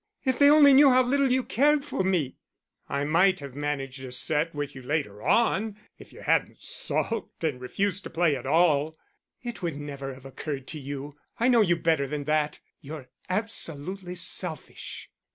"If they only knew how little you cared for me!" "I might have managed a set with you later on, if you hadn't sulked and refused to play at all." "It would never have occurred to you, I know you better than that. You're absolutely selfish."